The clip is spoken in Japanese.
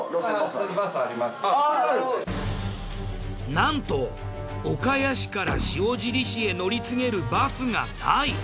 なんと岡谷市から塩尻市へ乗り継げるバスがない。